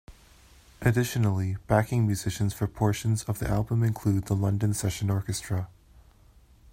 Additionally, backing musicians for portions of the album include the London Session Orchestra.